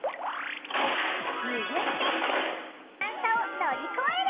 ２０ｃｍの段差を乗り越える！